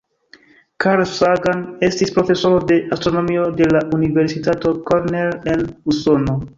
Carl Sagan estis profesoro de astronomio de la Universitato Cornell en Usono.